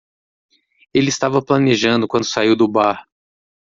Ele estava planejando quando saiu do bar.